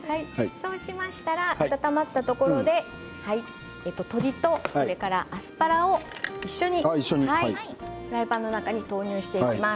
そうしましたら温まったところで鶏とアスパラを一緒にフライパンの中に投入していきます。